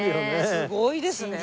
すごいですね。